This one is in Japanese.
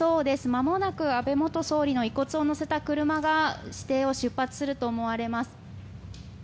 まもなく安倍元総理の遺骨を乗せた車が私邸を出発すると思われます。